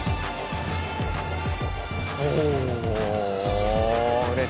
お。